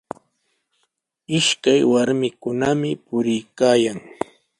Ishakaq warmikunami puriykaayan.